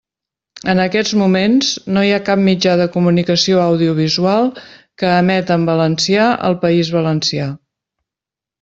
En aquests moments, no hi ha cap mitjà de comunicació audiovisual que emeta en valencià al País Valencià.